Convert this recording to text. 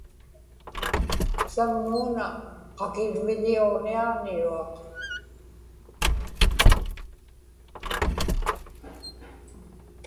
saŋmuuna qakirviḷiuġniaġniruaq